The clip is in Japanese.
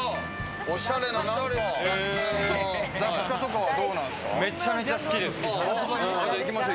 雑貨とかはどうなんですか？